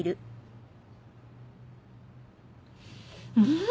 うん！